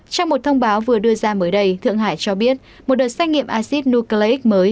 trong một thông báo vừa đưa ra mới đây thượng hải cho biết một đợt xét nghiệm acid nucleic mới